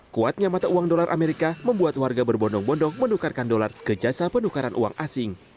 kuatnya mata uang dolar amerika membuat warga berbondong bondong menukarkan dolar ke jasa penukaran uang asing